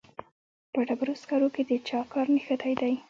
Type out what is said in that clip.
په ډبرو سکرو کې د چا کار نغښتی دی